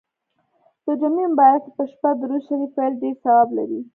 د جمعې مبارڪي په شپه درود شریف ویل ډیر ثواب لري.